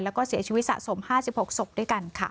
แล้วก็เสียชีวิตสะสม๕๖ศพด้วยกันค่ะ